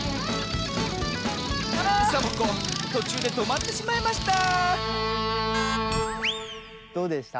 サボ子とちゅうでとまってしまいましたどうでした？